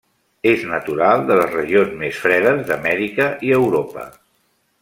És natural de les regions més fredes d'Amèrica i Europa.